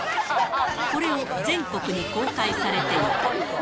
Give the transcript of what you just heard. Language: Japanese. これを全国に公開されていた。